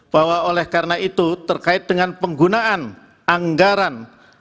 bahwa oleh karena itu terkait dengan penggunaan anggaran